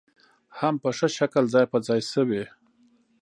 هم په ښه شکل ځاى په ځاى شوې .